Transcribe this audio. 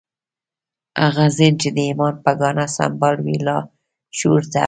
هغه ذهن چې د ايمان په ګاڼه سمبال وي لاشعور ته امر کوي.